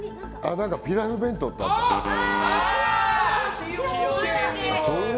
ピラフ弁当ってあったな。